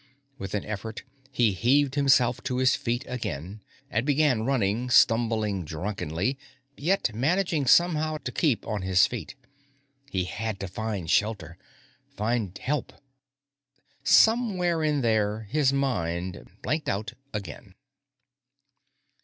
With an effort, he heaved himself to his feet again and began running, stumbling drunkenly, yet managing somehow to keep on his feet. He had to find shelter, find help. Somewhere in there, his mind blanked out again.